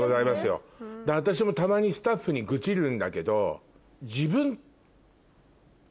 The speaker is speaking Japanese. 私もたまにスタッフに愚痴るんだけど。